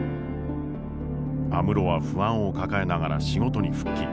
安室は不安を抱えながら仕事に復帰。